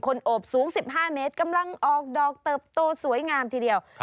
โอบสูง๑๕เมตรกำลังออกดอกเติบโตสวยงามทีเดียว